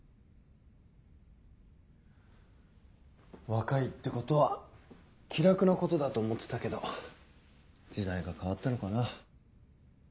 若いってことは気楽なことだと思ってたけど時代が変わったのかな。